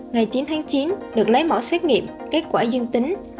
ngày chín tháng chín được lấy mẫu xét nghiệm kết quả dương tính